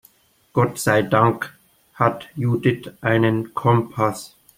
Gott sei Dank hat Judith einen Kompass.